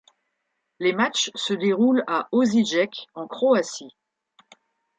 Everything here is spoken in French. Les matchs se déroulent à Osijek en Croatie.